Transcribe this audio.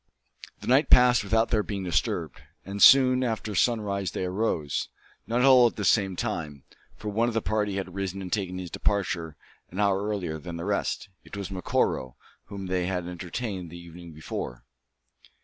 The night passed without their being disturbed; and soon after sunrise they arose, not all at the same time, for one of the party had risen and taken his departure an hour earlier than the rest. It was Macora, whom they had entertained the evening before.